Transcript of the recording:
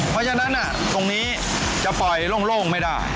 เพราะฉะนั้นตรงนี้จะปล่อยโล่งไม่ได้